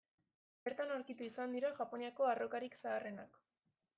Bertan aurkitu izan dira Japoniako arrokarik zaharrenak.